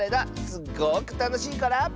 すごくたのしいから。